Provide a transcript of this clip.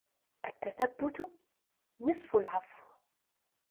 التَّثَبُّتُ نِصْفُ الْعَفْوِ